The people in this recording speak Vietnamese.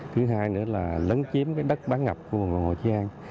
thứ hai nữa là lấn chiếm đất bán ngập của hồ chí an